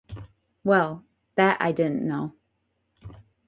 Well, that I didn't know.